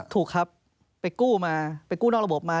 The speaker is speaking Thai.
ถูกครับไปกู้มาไปกู้นอกระบบมา